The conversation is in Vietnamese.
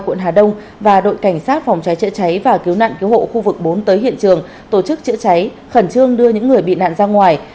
quận hà đông và đội cảnh sát phòng cháy chữa cháy và cứu nạn cứu hộ khu vực bốn tới hiện trường tổ chức chữa cháy khẩn trương đưa những người bị nạn ra ngoài